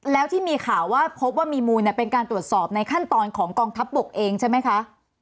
แล้วที่มีข่าวว่าพบว่ามีมูลเป็นการตรวจสอบในขั้นตอนของกองทัพบกเองใช่ไหมคะ